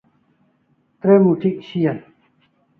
Tre muth'ik shian